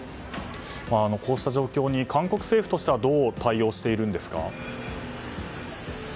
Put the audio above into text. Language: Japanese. こうした状況に韓国政府としてはどう対応しているんですか。